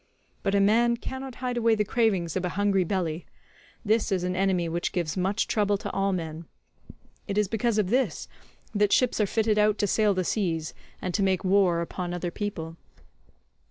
But a man cannot hide away the cravings of a hungry belly; this is an enemy which gives much trouble to all men; it is because of this that ships are fitted out to sail the seas, and to make war upon other people."